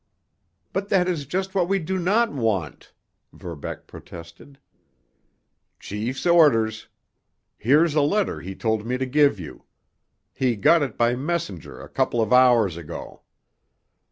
"But that is just what we do not want!" Verbeck protested. "Chief's orders. Here's a letter he told me to give you. He got it by messenger a couple of hours ago."